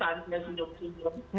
dia sudah terbuka